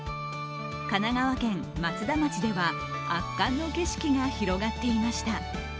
神奈川県松田町では、圧巻の景色が広がっていました。